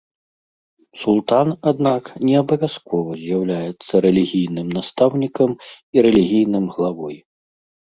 Султан, аднак, не абавязкова з'яўляецца рэлігійным настаўнікам і рэлігійным главой.